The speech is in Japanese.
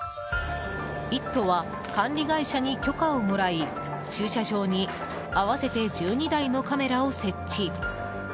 「イット！」は管理会社に許可をもらい駐車場に合わせて１２台のカメラを設置。